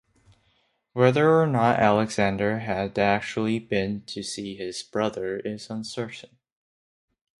Whether or not Alexander had actually been to see his brother is uncertain.